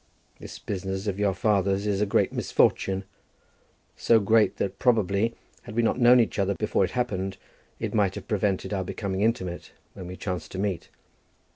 This business of your father's is a great misfortune, so great that, probably, had we not known each other before it happened, it might have prevented our becoming intimate when we chanced to meet.